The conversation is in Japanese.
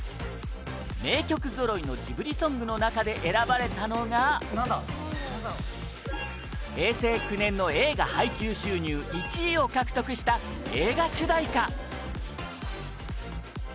名曲ぞろいのジブリソングの中で選ばれたのが平成９年の映画配給収入１位を獲得した、映画主題歌